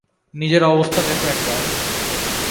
নিজের অবস্থা দেখো একবার।